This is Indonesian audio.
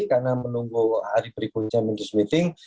karena menunggu hari berikutnya mini news meeting